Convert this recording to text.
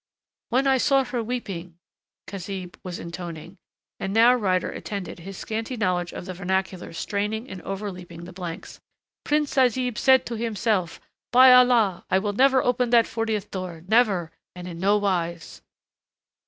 "When I saw her weeping," Khazib was intoning, and now Ryder attended, his scanty knowledge of the vernacular straining and overleaping the blanks, "Prince Azib said to himself, 'By Allah, I will never open that fortieth door, never, and in no wise!'"